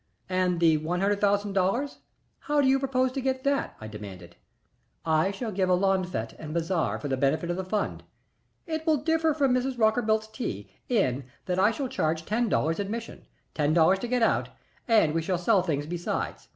"And the one hundred thousand dollars how do you propose to get that?" I demanded. "I shall give a lawn fête and bazaar for the benefit of the fund. It will differ from Mrs. Rockerbilt's tea in that I shall charge ten dollars admission, ten dollars to get out, and we shall sell things besides.